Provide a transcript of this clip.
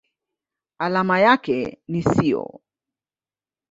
Alama yake ni SiO.